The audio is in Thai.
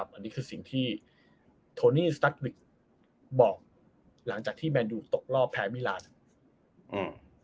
อันนี้คือสิ่งที่โทนีบอกหลังจากที่ตกรอบแพ้มิราณอืม